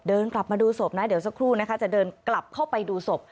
กลับมาดูศพนะเดี๋ยวสักครู่นะคะจะเดินกลับเข้าไปดูศพ